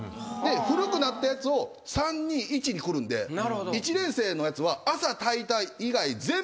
古くなったやつを３２１に来るんで１年生のやつは朝炊いた以外全部古米なんですよ。